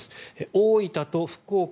大分と福岡